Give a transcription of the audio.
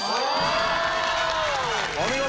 お見事！